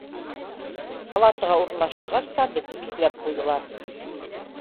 Палатаға урынлаштырғас та беҙҙе бикләп ҡуйҙылар.